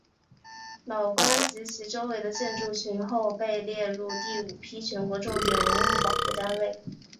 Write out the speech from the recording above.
老馆及其周围的建筑群后被列入第五批全国重点文物保护单位。